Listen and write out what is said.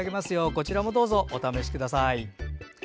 こちらもお試しください。